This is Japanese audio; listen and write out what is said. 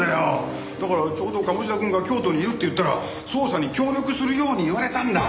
だからちょうど鴨志田くんが京都にいるって言ったら捜査に協力するように言われたんだ！